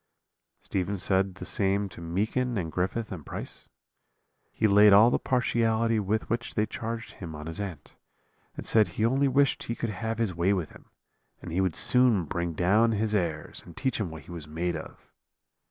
"Stephen said the same to Meekin and Griffith and Price; he laid all the partiality with which they charged him on his aunt, and said he only wished he could have his way with him, and he would soon bring down his airs, and teach him what he was made of.